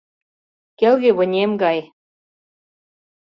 Келге вынем гай.